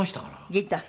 ギター。